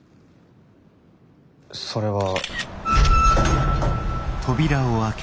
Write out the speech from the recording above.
それは。